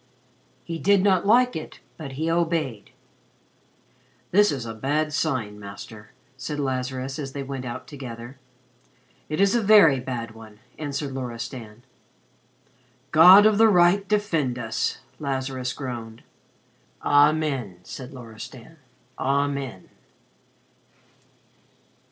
He did not like it, but he obeyed. "This is a bad sign, Master," said Lazarus, as they went out together. "It is a very bad one," answered Loristan. "God of the Right, defend us!" Lazarus groaned. "Amen!" said Loristan. "Amen!"